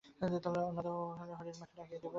অন্নদাবাবু কহিলেন, হরির মাকে ডাকিয়া দিব?